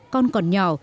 con còn nhỏ